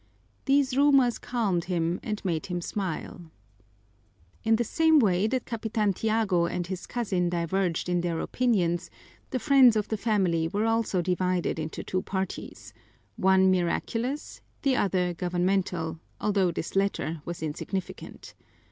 These rumors calmed him and made him smile. In the same way that Capitan Tiago and his cousin diverged in their opinions, the friends of the family were also divided into two parties, one miraculous, the other governmental, although this latter was insignificant.